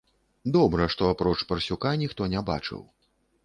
Добра, што, апроч парсюка, ніхто не бачыў.